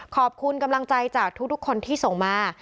ขอบคุณกำลังใจจากทุกคนที่ส่งมา